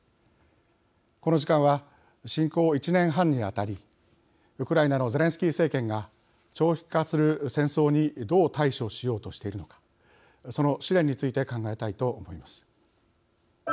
この時間は、侵攻１年半にあたりウクライナのゼレンスキー政権が長期化する戦争にどう対処しようとしているのかその試練について考えたいと思います。